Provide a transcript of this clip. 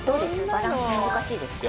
バランス難しいですか？